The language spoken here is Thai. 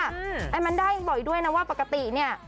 อัมแมนดายังบอกอยู่ด้วยนะว่าปกติเนี่ย